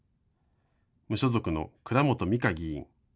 無所属の倉本美香議員。